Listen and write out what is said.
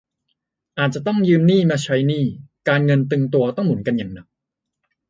อาจต้องยืมหนี้มาใช้หนี้ การเงินตึงตัวต้องหมุนกันอย่างหนัก